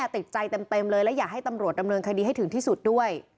ติดใจเต็มเลยและอยากให้ตำรวจดำเนินคดีให้ถึงที่สุดด้วย